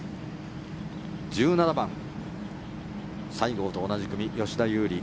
１７番、西郷と同じ組吉田優利。